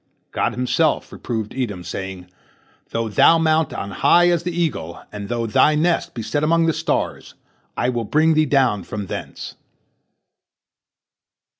God Himself reproved Edom, saying, "Though thou mount on high as the eagle, and though thy nest be set among the stars, I will bring thee down from thence."